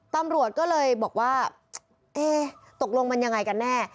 ตำรวจก็เลยบอกว่าเอ๊ะตกลงมันยังไงกันแน่